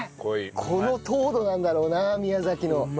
この糖度なんだろうな宮崎のマンゴーは。